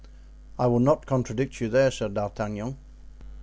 "I will not contradict you there," said D'Artagnan.